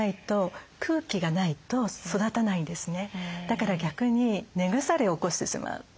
だから逆に根腐れを起こしてしまう。